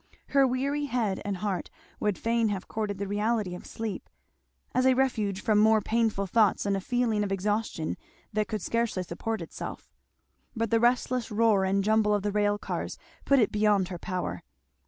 Her weary head and heart would fain have courted the reality of sleep, as a refuge from more painful thoughts and a feeling of exhaustion that could scarcely support itself; but the restless roar and jumble of the rail cars put it beyond her power.